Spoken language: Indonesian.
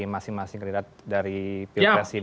masing masing rilis dari pilkera sidi